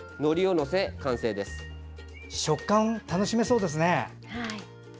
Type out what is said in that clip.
食感楽しめそうですね。